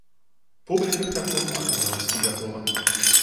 Публика к такому оказалась не готова.